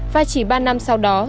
và chỉ ba năm sau đó